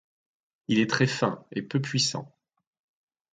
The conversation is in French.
Il est très fin et peu puissant.